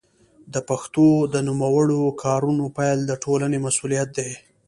د پښتو د نوموړو کارونو پيل د ټولنې مسوولیت دی.